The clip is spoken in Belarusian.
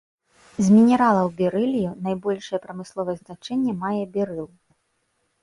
З мінералаў берылію найбольшае прамысловае значэнне мае берыл.